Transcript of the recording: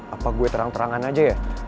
apa gue terang terangan aja ya